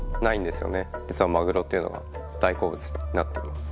実はマグロっていうのは大好物になってます。